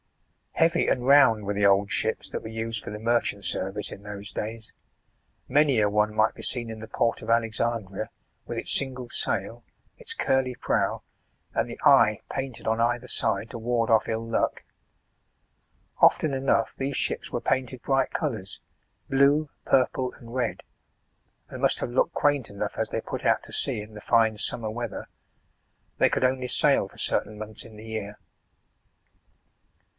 Heavy and round were the old ships, that were used for the merchant service in those days. Many a one might be seen in the port of Alexandria with its single sail, its curly prow, and the eye painted on either side to ward off ill luck. Often enough these ships were painted bright colours, blue, purple, and red, and must have looked quaint enough, as they put out to sea in the fine summer weather. They could only sail for certain months in the year.